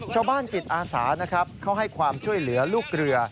ชาวบ้านจิตอาสานะครับเขาให้ความช่วยเหลือลูกเรือ